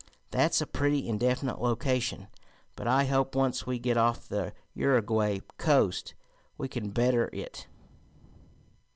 That's a pretty indefinite location, but I hope, once we get off the Uruguay coast, we can better it.